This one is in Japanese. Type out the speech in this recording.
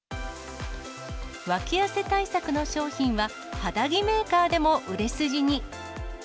わき汗対策の商品は、肌着メーカーでも売れ筋に。